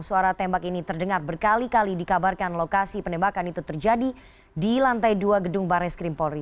suara tembak ini terdengar berkali kali dikabarkan lokasi penembakan itu terjadi di lantai dua gedung barres krim polri